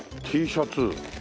Ｔシャツ。